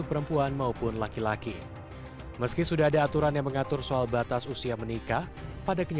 pendidikan yang rendah